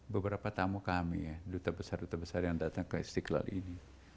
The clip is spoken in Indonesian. beberapa tamu kami ya duta besar duta besar yang datang ke istiqlal ini